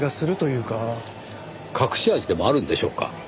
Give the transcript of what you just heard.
隠し味でもあるんでしょうか？